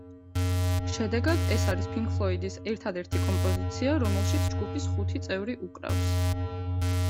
შედეგად, ეს არის პინკ ფლოიდის ერთადერთი კომპოზიცია, რომელშიც ჯგუფის ხუთი წევრი უკრავს.